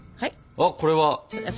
あこれは。